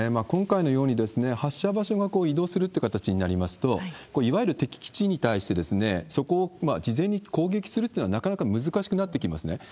今回のように、発射場所が移動するという形になりますと、いわゆる敵基地に対して、そこを事前に攻撃するっていうのはなかなか難しくなってきますね。